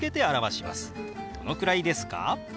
「どのくらいですか？」。